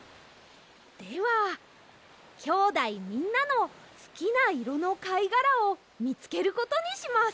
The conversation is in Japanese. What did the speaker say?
ではきょうだいみんなのすきないろのかいがらをみつけることにします。